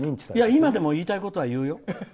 今でも言いたいことは言うよ。